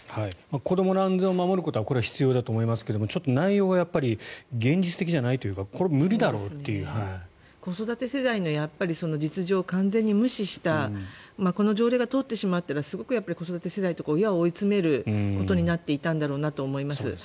子どもの安全を守ることは必要だと思いますがちょっと内容が現実的じゃないというか子育て世代の実情を完全に無視したこの条例が通ってしまったらすごく子育て世代とか親を追い詰めることになっていたんだろうなと思います。